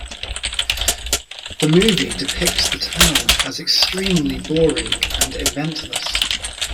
The movie depicts the town as extremely boring and eventless.